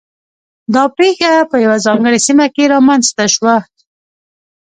دا پېښه په یوه ځانګړې سیمه کې رامنځته شوه.